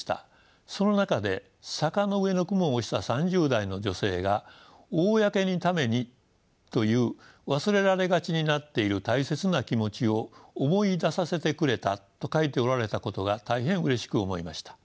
その中で「坂の上の雲」を推した３０代の女性が「公のためにという忘れられがちになっている大切な気持ちを思い出させてくれた」と書いておられたことが大変うれしく思いました。